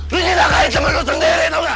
lu nyindahkan temen lu sendiri tau gak